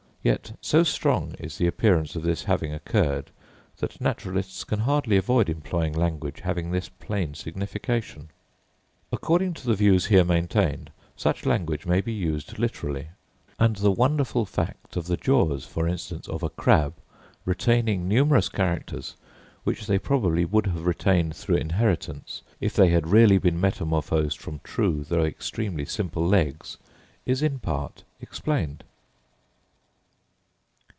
Yet so strong is the appearance of this having occurred that naturalists can hardly avoid employing language having this plain signification. According to the views here maintained, such language may be used literally; and the wonderful fact of the jaws, for instance, of a crab retaining numerous characters, which they probably would have retained through inheritance, if they had really been metamorphosed from true though extremely simple legs, is in part explained.